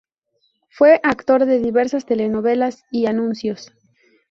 Fue actor de diversas telenovelas y anuncios.